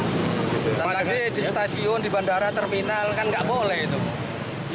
dan lagi di stasiun di bandara terminal kan nggak boleh itu